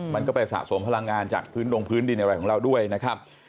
มันก็ไปสะสมพลังงานจากโรงพื้นดินในแหล่งของเราด้วยนะครับ